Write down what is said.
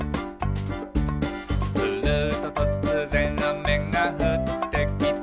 「するととつぜんあめがふってきて」